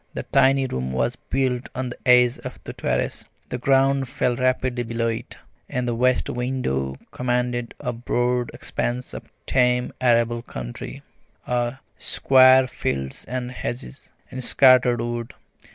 The tiny room was built on the edge of the terrace, the ground fell rapidly below it, and the west window commanded a broad expanse of tame arable country, of square fields and hedges, and scattered wood.